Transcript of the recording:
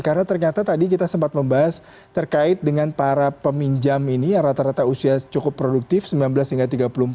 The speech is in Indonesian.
karena ternyata tadi kita sempat membahas terkait dengan para peminjam ini yang rata rata usia cukup produktif sembilan belas hingga tiga puluh empat